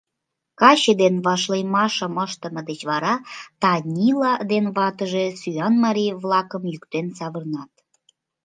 Каче ден вашлиймашым ыштыме деч вара Танила ден ватыже сӱан марий-влакым йӱктен савырнат.